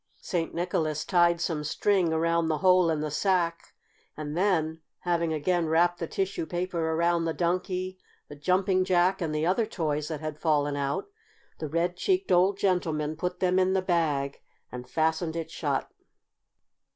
St. Nicholas tied some string around the hole in the sack, and then, having again wrapped the tissue paper around the Donkey, the Jumping Jack, and the other toys that had fallen out, the red cheeked old gentleman put them in the bag and fastened it shut.